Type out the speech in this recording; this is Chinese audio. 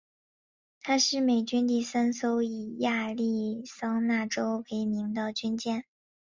她是美军第三艘以亚利桑那州为名的军舰。